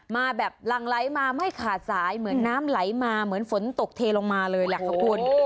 มาแบบรังไหลมาไม่ขาดสายเหมือนน้ำไหลมาเหมือนฝนตกเทลงมาเลยแหละค่ะคุณ